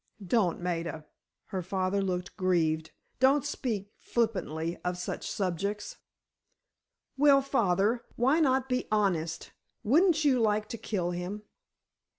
"Don't, Maida," her father looked grieved. "Don't speak flippantly of such subjects." "Well, father, why not be honest? Wouldn't you like to kill him?"